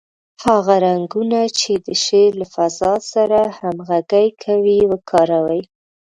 هغه رنګونه چې د شعر له فضا سره همغږي کوي، وکاروئ.